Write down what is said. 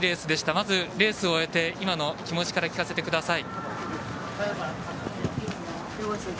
まずレースを終えて今の気持ちから聞かせてください。